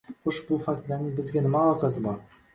Xo'sh, bu faktlarning bizga nima aloqasi bor?